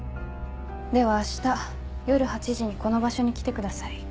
では明日夜８時にこの場所に来てください。